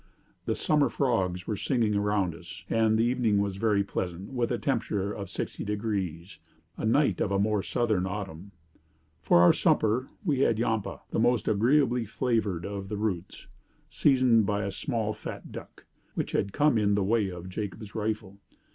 The summer frogs were singing around us, and the evening was very pleasant, with a temperature of 60° a night of a more southern autumn. For our supper we had yampah, the most agreeably flavored of the roots, seasoned by a small fat duck, which had come in the way of Jacob's rifle.